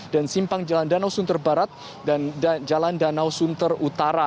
dan simpang jalan danau sunter barat dan jalan danau sunter utara